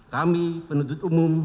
kami penutup umum